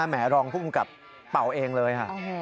แหมรองผู้อุงกับป่าวเองเลย